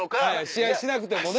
試合しなくてもね。